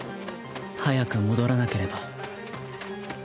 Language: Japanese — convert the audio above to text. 早く戻らなければ